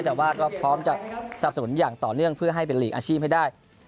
แต่ว่าก็พร้อมจะสนับสนุนอย่างต่อเนื่องเพื่อให้เป็นหลีกอาชีพให้ได้